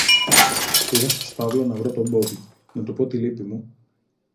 Πήγα στο στάβλο να βρω τον Μπόμπη, να του πω τη λύπη μου